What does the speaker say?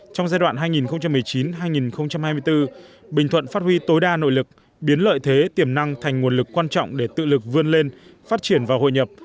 trong giai đoạn hai nghìn một mươi chín hai nghìn hai mươi bốn bình thuận phát huy tối đa nội lực biến lợi thế tiềm năng thành nguồn lực quan trọng để tự lực vươn lên phát triển và hội nhập